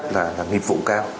là nghiệp vụ cao